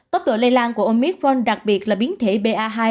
tốc độ lây lan của omitron đặc biệt là biến thể ba hai